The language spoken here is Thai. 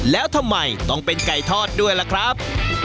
แล้วทำไมต้องเป็นไก่ทอดด้วยล่ะครับ